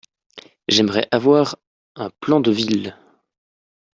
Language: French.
J'aimerais avoir un plan de ville.